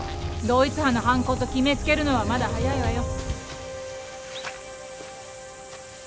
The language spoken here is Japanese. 同一犯の犯行と決めつけるのはまだ早いわよ。